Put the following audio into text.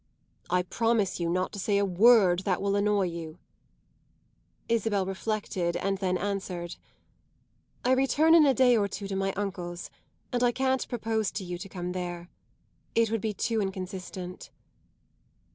"I promise you not to say a word that will annoy you." Isabel reflected and then answered: "I return in a day or two to my uncle's, and I can't propose to you to come there. It would be too inconsistent."